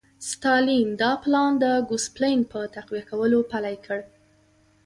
ستالین دا پلان د ګوسپلن په تقویه کولو پلی کړ